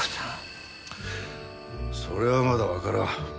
それはまだわからん。